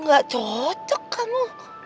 gak cocok kamu